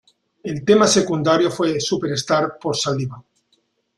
El tema secundario fue "Superstar" por Saliva.